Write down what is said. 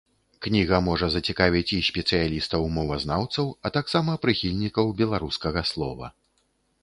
Кніга можа зацікавіць і спецыялістаў-мовазнаўцаў, а таксама прыхільнікаў беларускага слова.